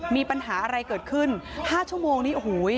มีปัญหาอะไรเกิดขึ้น๕ชั่วโมงนี้โอ้โห